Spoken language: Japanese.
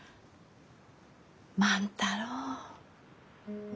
万太郎。